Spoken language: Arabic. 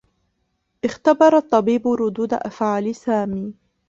اختبر الطّبيب ردود أفعال سامي.